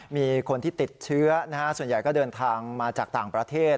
มีคนที่ติดเชื้อส่วนใหญ่ก็เดินทางมาจากต่างประเทศ